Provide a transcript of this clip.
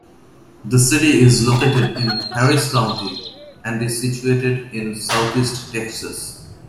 The city is located in Harris County and is situated in Southeast Texas.